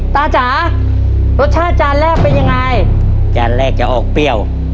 จ๋ารสชาติจานแรกเป็นยังไงจานแรกจะออกเปรี้ยว